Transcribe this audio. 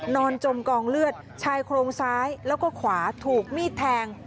จมกองเลือดชายโครงซ้ายแล้วก็ขวาถูกมีดแทง